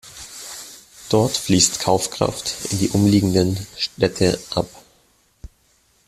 Dort fließt Kaufkraft in die umliegenden Städte ab.